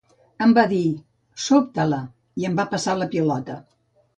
Em va dir: sóbta-la , i em va passar la pilota.